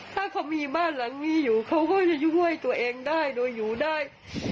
ถ้าเขามีบ้านหลังนี้อยู่เขาก็จะช่วยตัวเองได้โดยอยู่ได้